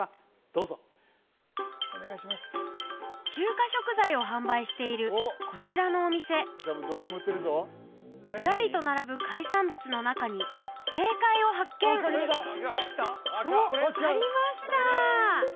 どうぞ中華食材を販売しているこちらのお店ずらりと並ぶ海産物の中に正解を発見おっありました